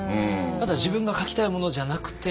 ただ自分が書きたいものじゃなくて。